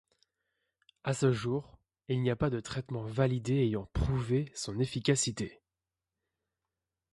À ce jour, il n’y a pas de traitement validé ayant prouvé son efficacité.